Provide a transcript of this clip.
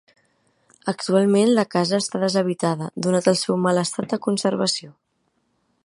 Actualment la casa està deshabitada donat el seu mal estat de conservació.